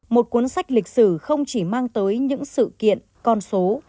một cuốn sách lịch sử không chỉ mang tới những sự kiện con số